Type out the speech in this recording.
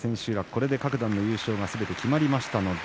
これで各段の優勝が決まりました。